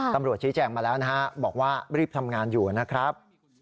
ตำรวจชี้แจงมาแล้วนะฮะบอกว่ารีบทำงานอยู่นะครับ